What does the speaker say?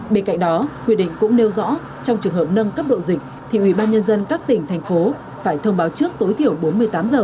bên cạnh đó quyết định cũng nêu rõ trong trường hợp nâng cấp độ dịch thì ubnd các tỉnh thành phố phải thông báo trước tối thiểu bốn mươi tám h